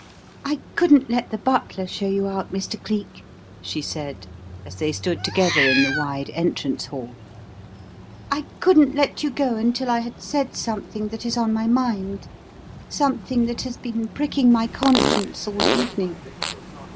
"I couldn't let the butler show you out, Mr. Cleek," she said, as they stood together in the wide entrance hall. "I couldn't let you go until I had said something that is on my mind something that has been pricking my conscience all evening.